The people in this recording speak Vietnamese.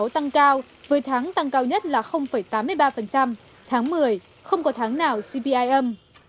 tăng cao với tháng tăng cao nhất là tám mươi ba tháng một mươi không có tháng nào cpi âm